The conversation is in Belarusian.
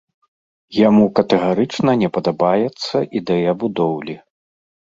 Яму катэгарычна не падабаецца ідэя будоўлі.